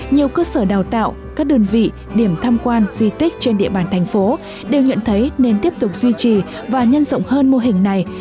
nhiều cơ sở đào tạo các đơn vị điểm tham quan di tích trên địa bàn thành phố đều nhận thấy nên tiếp tục duy trì và nhân rộng hơn mô hình này